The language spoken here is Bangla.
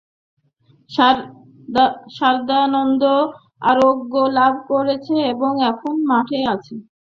সারদানন্দ আরোগ্যলাভ করেছে এবং এখন মঠে আছে।